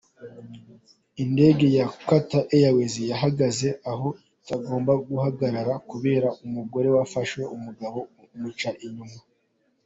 Indege ya Qatar Airways yahagaze aho itagombaga guhagarara kubera umugore wafashe umugabo amuca inyuma.